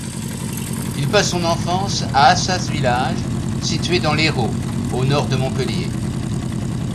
Il passe son enfance à Assas village situé dans l'Hérault au Nord de Montpellier.